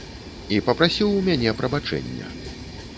І папрасіў у мяне прабачэння.